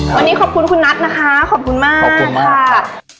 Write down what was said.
วันนี้ขอบคุณคุณนัทนะคะขอบคุณมากขอบคุณค่ะ